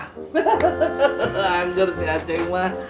hehehe anjur si ah ceng mah